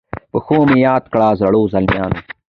په ښو مي یاد کړی زړو، زلمیانو